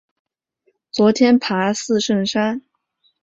昨天爬四圣山